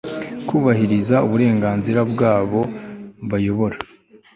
kubahiriza uburenganzira bw'abo bayobora